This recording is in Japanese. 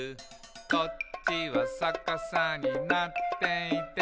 「こっちはさかさになっていて」